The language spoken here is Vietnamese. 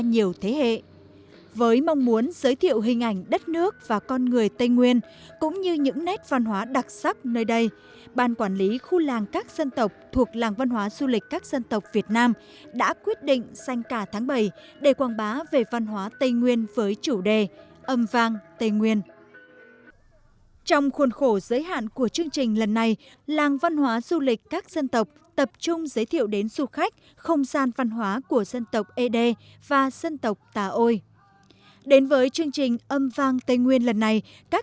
hiểu rõ được điều này ban quản lý khu làng văn hóa xu lịch các dân tộc đã mời nhiều nghệ nhân trẻ ra biểu diễn trong đợt này